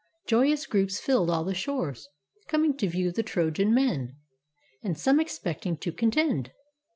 Joyous groups filled all The shores, coming to view the Trojan men, And some expecting to contend.